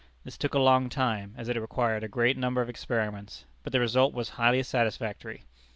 This took a long time, as it required a great number of experiments; but the result was highly satisfactory.